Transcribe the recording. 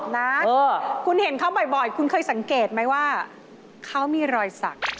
นะคุณเห็นเขาบ่อยคุณเคยสังเกตไหมว่าเขามีรอยสัก